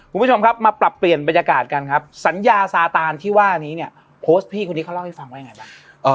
คุณผู้ชมครับมาปรับเปลี่ยนบรรยากาศกันครับสัญญาซาตานที่ว่านี้เนี่ยโพสต์พี่คนนี้เขาเล่าให้ฟังว่ายังไงบ้าง